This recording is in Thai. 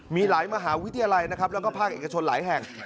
มีหลายมหาวิทยาลัยนะครับแล้วก็ภาคเอกชนหลายแห่ง